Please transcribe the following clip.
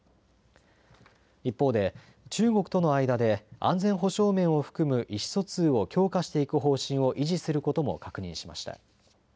一方で中国との間で安全保障面を含む意思疎通を強化していく方針を維持することも確認しました。